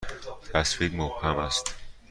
تصویر مبهم است.